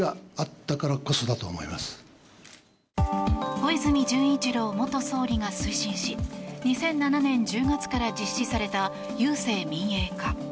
小泉純一郎元総理が推進し２００７年１０月から実施された郵政民営化。